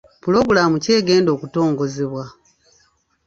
Pulogulaamu ki egenda okutongozebwa?